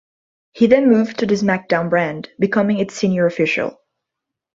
He then moved to the Smackdown brand, becoming its senior official.